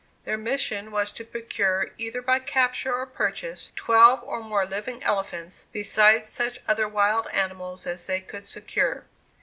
Their mission was to procure, either by capture or purchase, twelve or more living elephants, besides such other wild animals as they could secure.